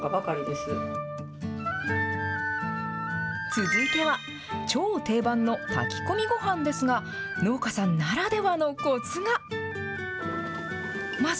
続いては、超定番の炊き込みごはんですが、農家さんならではのこつが。